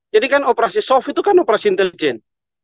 jadi kan operasi soft itu kan operasi intelijen